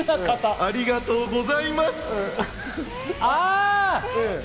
ありがとうございます。